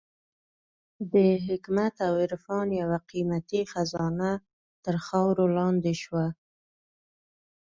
د حکمت او عرفان یوه قېمتي خزانه تر خاورو لاندې شوه.